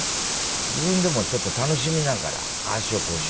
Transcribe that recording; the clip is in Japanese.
自分でもちょっと楽しみながらああしよう